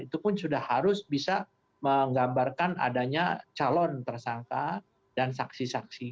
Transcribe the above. itu pun sudah harus bisa menggambarkan adanya calon tersangka dan saksi saksi